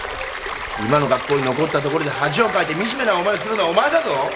今の学校に残ったところで恥をかいて惨めな思いをするのはお前だぞ！